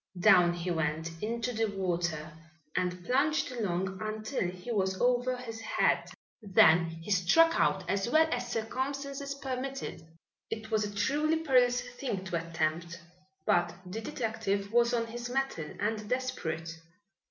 Down he went into the water and plunged along until he was over his head. Then he struck out as well as circumstances permitted. It was a truly perilous thing to attempt, but the detective was on his mettle and desperate.